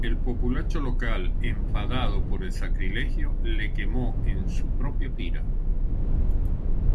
El populacho local, enfadado por el sacrilegio, le quemó en su propia pira.